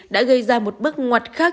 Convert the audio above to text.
đã gây ra một bước ngoặt khác